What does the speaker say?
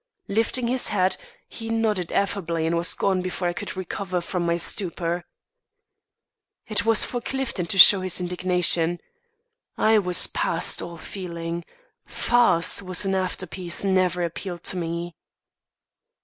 Lifting his hat, he nodded affably and was gone before I could recover from my stupor. It was for Clifton to show his indignation. I was past all feeling. Farce as an after piece never appealed to me.